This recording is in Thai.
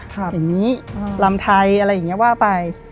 อย่างนี้ลำไทยอะไรอย่างนี้ว่าไป